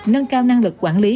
nâng cao năng lực quản lý